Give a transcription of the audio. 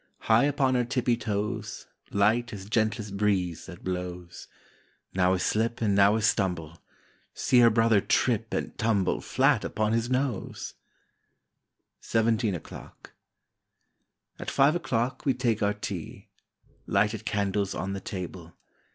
High upon her tippy toes, Light as gentlest breeze that blows. Now a slip and now a stumble— See her brother trip and tumble Elat upon his nose! 41 SIXTEEN O'CLOCK 43 SEVENTEEN O'CLOCK 4T five o'clock we take our tea; xX Lighted candles on the table.